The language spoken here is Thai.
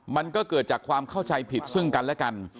มันก็เกิดจากความเข้าใจผิดซึ่งกันและกัน